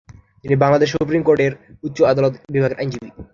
তিনি বাংলাদেশ সুপ্রিম কোর্টের উচ্চ আদালত বিভাগের আইনজীবী।